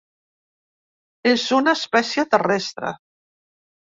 És una espècie terrestre.